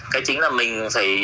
cái chính là mình phải